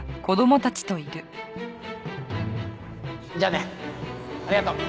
じゃあねありがとう。